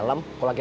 tapi kasih aja qui